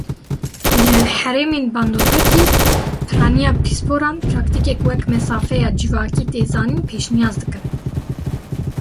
Li herêmên bandorgirtî, piraniya pisporan pratîkek wek mesafeya civakî tê zanîn pêşniyaz dikin.